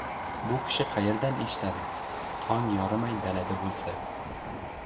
– Bu kishi qayerdan eshitadi, tong yorimay dalada bo‘lsa…